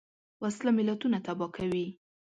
وسله ملتونه تباه کوي